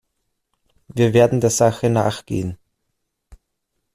Wir werden der Sache nachgehen .